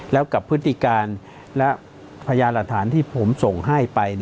แล้วกับพฤติการและพยานหลักฐานที่ผมส่งให้ไป